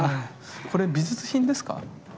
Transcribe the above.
これ美術品ですか？